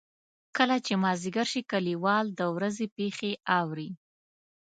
کله چې مازدیګر شي کلیوال د ورځې پېښې اوري.